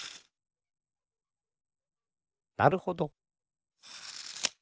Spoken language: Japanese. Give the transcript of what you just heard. なるほど。